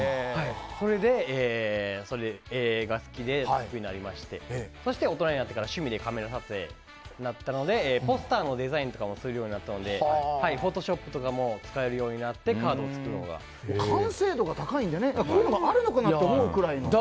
それで絵が好きになりましてそして大人になってから趣味でカメラ撮影になったのでポスターのデザインとかもするようになったのでフォトショップとかも使えるようになって完成度がすごいのでこういうのがあるのかなと思うくらいの。